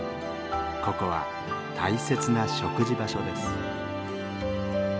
ここは大切な食事場所です。